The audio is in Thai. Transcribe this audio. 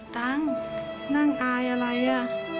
ตังค์นั่งตายอะไรอ่ะ